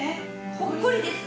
ほっこりです。